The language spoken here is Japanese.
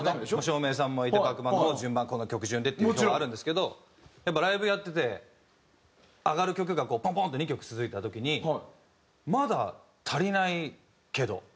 照明さんもいてバックバンドも順番この曲順でっていう表はあるんですけどやっぱりライブやってて上がる曲がポンポンって２曲続いた時にまだ足りないけど。